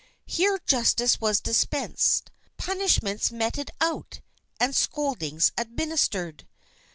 Here justice was dispensed, punishments meted out and scoldings administered.